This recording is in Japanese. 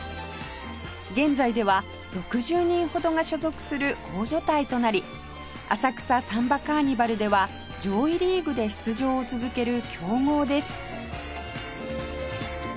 現在では６０人ほどが所属する大所帯となり浅草サンバカーニバルでは上位リーグで出場を続ける強豪です